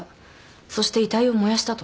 そして遺体を燃やしたと。